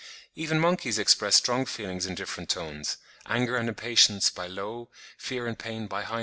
Even monkeys express strong feelings in different tones—anger and impatience by low,—fear and pain by high notes.